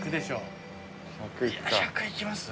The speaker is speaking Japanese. １００いきます？